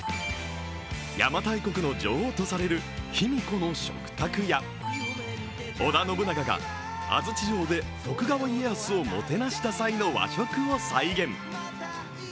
邪馬台国の女王とされる卑弥呼の食卓や織田信長が安土城で徳川家康をもてなした際の和食を再現。